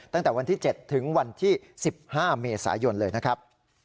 ตั้งแต่วันที่๗ถึงวันที่๑๕เมษายนเลยนะครับ